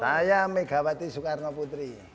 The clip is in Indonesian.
saya megawati soekarno putri